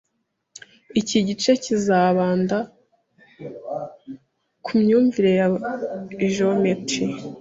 Iki gice kizibanda ku myumvire ya geometrie.